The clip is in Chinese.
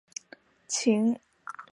秦时改称乌程县。